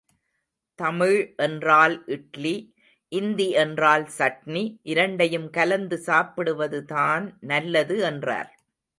தமிழ் என்றால் இட்லி இந்தி என்றால் சட்னி இரண்டையும் கலந்து சாப்பிடுவதுதான் நல்லது என்றார்.